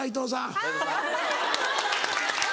はい。